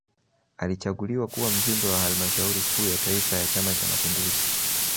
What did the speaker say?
Alichaguliwa kuwa Mjumbe wa Halmashauri Kuu ya Taifa ya Chama cha Mapinduzi